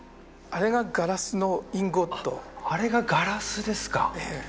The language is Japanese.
あれがガラスのインゴットあれがガラスですかええ